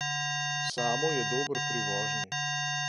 Samo je dober pri vožnji.